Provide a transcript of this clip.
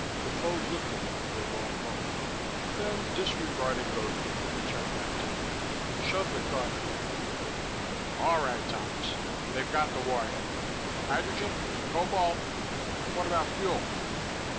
Defoe looked at him for a long moment. Then, disregarding Gogarty, he turned back to me, shoved the coffee at me. "All right, Thomas. They've got the warhead. Hydrogen? Cobalt? What about fuel?"